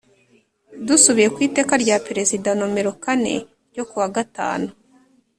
Dusubiye ku Iteka rya Perezida nomero kane ryo kuwa gatanu